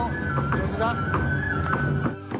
上手だ。